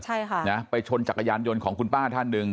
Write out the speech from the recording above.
ใช่ค่ะนะไปชนจักรยานยนต์ของคุณป้าท่านหนึ่ง